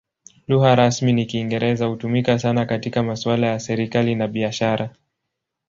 Lugha rasmi ni Kiingereza; hutumika sana katika masuala ya serikali na biashara.